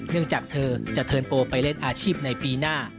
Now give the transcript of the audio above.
จากเธอจะเทิร์นโปรไปเล่นอาชีพในปีหน้า